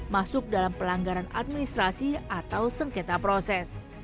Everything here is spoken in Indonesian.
masuk dalam pelanggaran administrasi atau sengketa proses